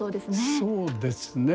そうですね。